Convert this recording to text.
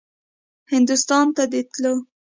هندوستان ته تلو.